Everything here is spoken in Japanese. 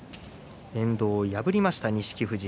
遠藤を破りました錦富士。